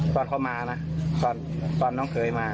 ตอนเขามานะตอนน้องเคยมา